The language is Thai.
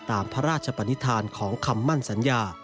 ตามพระราชปนิษฐานของคำมั่นสัญญา